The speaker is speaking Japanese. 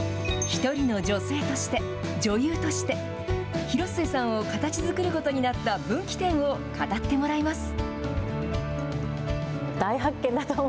一人の女性として、女優として、広末さんを形づくることになった、分岐点を語ってもらいます。